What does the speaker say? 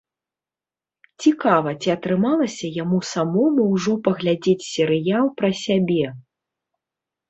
Цікава, ці атрымалася яму самому ўжо паглядзець серыял пра сябе?